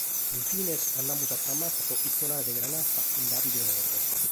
In fines andamus a Tramatza pro chistionare de granatza cun Davide Orro.